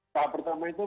tahap pertama itu